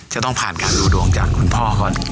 จะต้องผ่านการดูดวงจากคุณพ่อก่อน